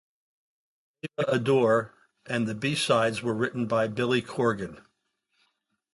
"Ava Adore" and the B-sides were written by Billy Corgan.